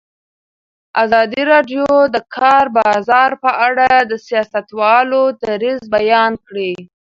ازادي راډیو د د کار بازار په اړه د سیاستوالو دریځ بیان کړی.